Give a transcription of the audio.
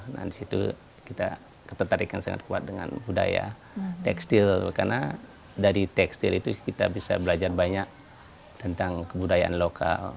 nah disitu kita ketertarikan sangat kuat dengan budaya tekstil karena dari tekstil itu kita bisa belajar banyak tentang kebudayaan lokal